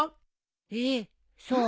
えっそう？